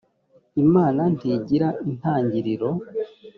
imana ntigira intangiriro